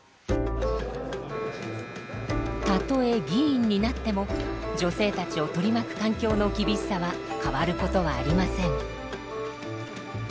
たとえ議員になっても女性たちを取り巻く環境の厳しさは変わることはありません。